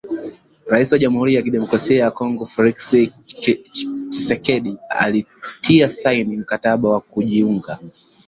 Rais wa Jamhuri ya Kidemokrasia ya Kongo ,Felix Tchisekedi ,alitia saini mkataba wa kujiunga